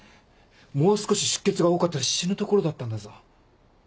もう少し出血が多かったら死ぬところだったんだぞ。